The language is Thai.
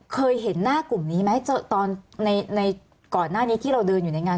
เคยเห็นหน้ากลุ่มนี้ไหมเจอตอนในก่อนหน้านี้ที่เราเดินอยู่ในงาน